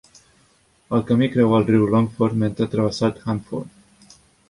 El camí creua el riu Longford mentre travessat Hanworth.